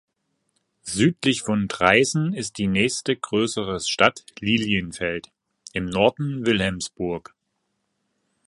Südlich von Traisen ist die nächste größere Stadt Lilienfeld, im Norden Wilhelmsburg.